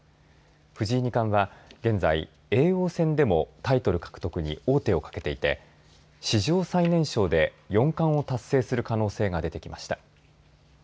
藤井二冠は現在叡王戦でもタイトル獲得に王手をかけていて史上最年少で四冠を達成する可能性が出てきました。